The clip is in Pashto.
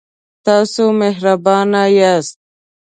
تاسو مهربان یاست